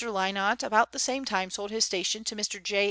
Lynott about the same time sold his station to Mr. J.